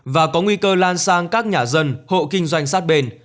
và có nguy cơ lan sang các nhà dân hộ kinh doanh sát bền